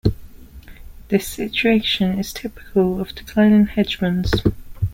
This situation is typical of declining hegemons.